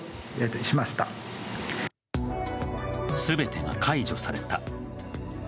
全てが解除された。